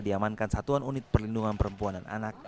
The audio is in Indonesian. diamankan satuan unit perlindungan perempuan dan anak